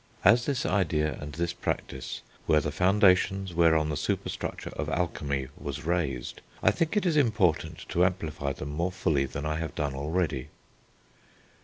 As this idea, and this practice, were the foundations whereon the superstructure of alchemy was raised, I think it is important to amplify them more fully than I have done already.